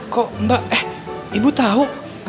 kok mbak eh ibu tahu